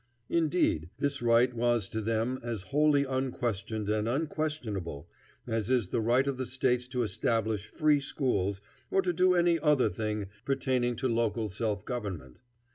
Indeed, this right was to them as wholly unquestioned and unquestionable as is the right of the States to establish free schools, or to do any other thing pertaining to local self government.